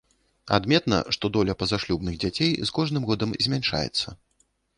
Адметна, што доля пазашлюбных дзяцей з кожным годам змяншаецца.